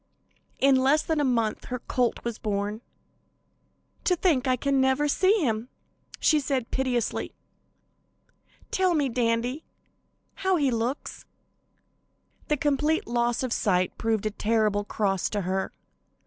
In less than a month her colt was born. "To think I can never see him," she said piteously. "Tell me, Dandy, how he looks!" The complete loss of sight proved a terrible cross to her.